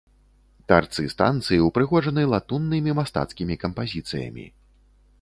Тарцы станцыі ўпрыгожаны латуннымі мастацкімі кампазіцыямі.